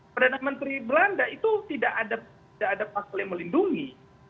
perdana menteri belanda itu tidak ada pasal yang melindungi